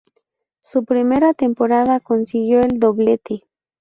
Su primera temporada consiguió el doblete.